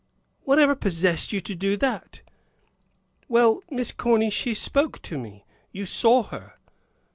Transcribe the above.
"Whatever possessed you to do that?" "Well, Miss Corny, she spoke to me. You saw her."